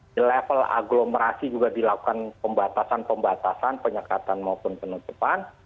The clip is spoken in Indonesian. di level agglomerasi juga dilakukan pembatasan pembatasan penyekatan maupun penutupan